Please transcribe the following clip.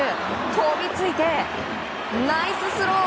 飛びついて、ナイススロー！